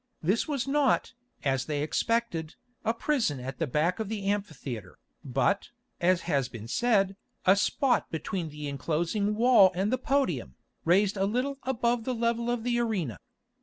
This was not, as they expected, a prison at the back of the amphitheatre, but, as has been said, a spot between the enclosing wall and the podium, raised a little above the level of the arena.